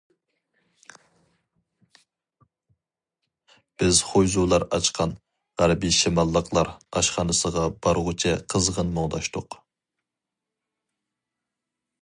بىز خۇيزۇلار ئاچقان‹‹ غەربىي شىماللىقلار›› ئاشخانىسىغا بارغۇچە قىزغىن مۇڭداشتۇق.